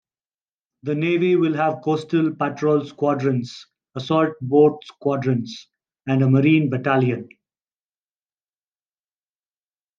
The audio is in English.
The navy will have coastal patrol squadrons, assault boat squadrons and a marine battalion.